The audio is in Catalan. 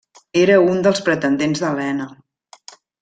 Era un dels pretendents d'Helena.